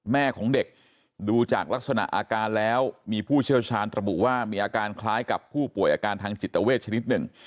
แม่ของเด็กดูจากลักษณะอาการแล้วมีผู้เชี่ยวชาญระบุว่ามีอาการคล้ายกับผู้ป่วยอาการทางจิตเวชชนิดหนึ่ง